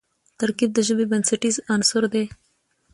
ترکیب د ژبي بنسټیز عنصر دئ.